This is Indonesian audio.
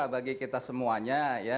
bagi kita semuanya